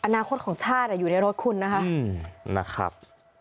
อนาคตของชาติอยู่ในรถคุณนะคะ